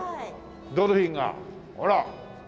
ドルフィンがほら。